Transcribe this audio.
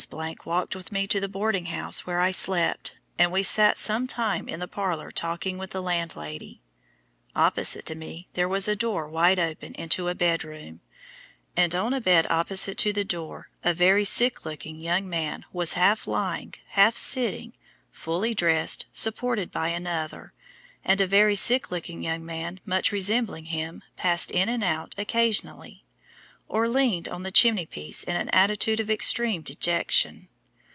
walked with me to the boarding house where I slept, and we sat some time in the parlor talking with the landlady. Opposite to me there was a door wide open into a bed room, and on a bed opposite to the door a very sick looking young man was half lying, half sitting, fully dressed, supported by another, and a very sick looking young man much resembling him passed in and out occasionally, or leaned on the chimney piece in an attitude of extreme dejection.